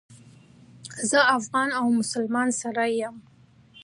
زه افغان او مسلمان سړی یم.